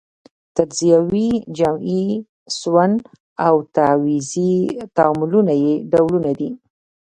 تجزیوي، جمعي، سون او تعویضي تعاملونه یې ډولونه دي.